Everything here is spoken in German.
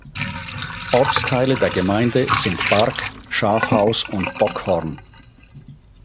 Ortsteile der Gemeinde sind Bark, Schafhaus und Bockhorn.